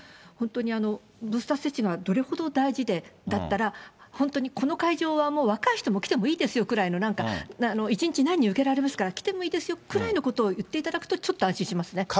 本当にブースター接種がどれほど大事で、だったら、本当にこの会場は若い人も来てもいいですよくらいな、なんか１日何人受けられますから来てもいいですよくらいのことを言っていただくと、ちょっと安心しますね。